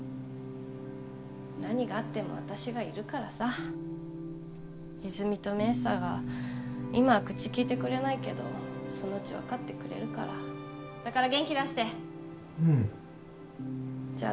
何があっても私がいるからさ泉実と明紗が今は口きいてくれないけどそのうち分かってくれるからだから元気出してうんじゃ